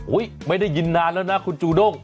ไม่ได้ยินนานแล้วนะคุณจูด้ง